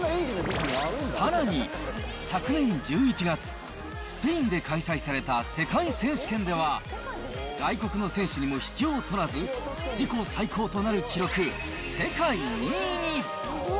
さらに、昨年１１月、スペインで開催された世界選手権では、外国の選手にも引けを取らず、自己最高となる記録、世界２位に。